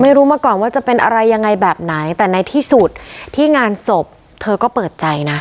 ไม่รู้มาก่อนว่าจะเป็นอะไรยังไงแบบไหนแต่ในที่สุดที่งานศพเธอก็เปิดใจนะ